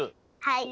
はい。